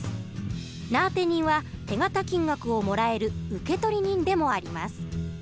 名あて人は手形金額をもらえる受取人でもあります。